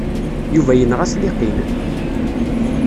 Yuba yenɣa-t Liqin.